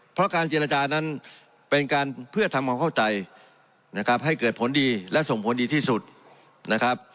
เพราะการเจรจานั้นเป็นการเพื่อทำความเข้าใจนะครับให้เกิดผลดีและส่งผลดีที่สุดนะครับ